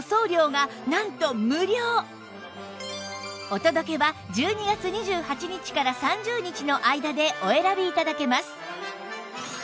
お届けは１２月２８日から３０日の間でお選び頂けます